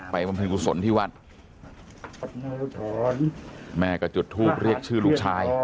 บำเพ็ญกุศลที่วัดแม่ก็จุดทูปเรียกชื่อลูกชาย